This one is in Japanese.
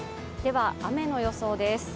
雨の予想です。